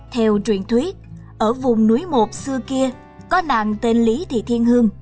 theo truyền thuyết ở vùng núi một xưa kia có nàng tên lý thị thiên hương